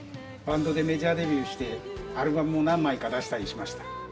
バンドでメジャーデビューしてアルバムも何枚か出したりしました。